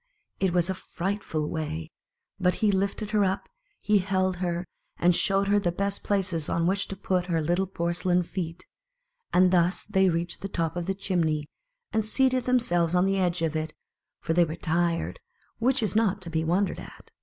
It was a frightful way ; but he lifted her up, he held her, and show ed her the best places on which to put her little porcelain feet ; and thus they reached 112 tlj? Ctfi the top of the chimney, and seated them selves on the edge of it ; for they were tired, which is not to be wondered at.